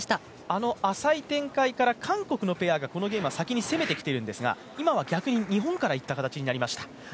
あの浅い展開から韓国のペアがこのゲームは先に攻めてきているんですが今は逆に日本からいった形になりました。